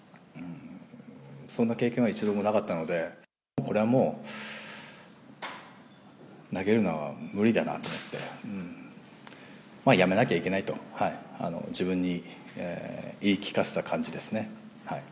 そんな経験は一度もなかったので、これはもう、投げるのは無理だなと思って、辞めなきゃいけないと自分に言い聞かせた感じですね。